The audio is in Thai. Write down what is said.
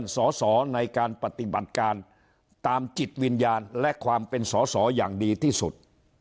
สอสอในการปฏิบัติการตามจิตวิญญาณและความเป็นสอสออย่างดีที่สุด